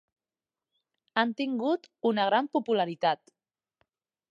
Han tingut una gran popularitat.